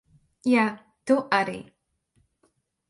Jā, tu arī.